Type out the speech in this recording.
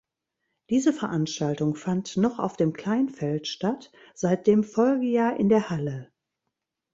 Diese Veranstaltung fand noch auf dem Kleinfeld statt, seit dem Folgejahr in der Halle.